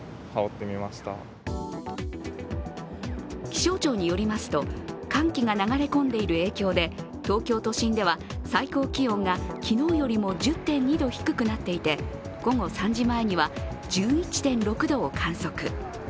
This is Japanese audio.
気象庁によりますと、寒気が流れ込んでいる影響で東京都心では最高気温が昨日よりも１０．２度低くなっていて午後３時前には１１．６度を観測。